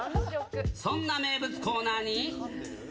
そんな名物コーナーに。